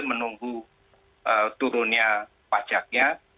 menunggu turunnya pajaknya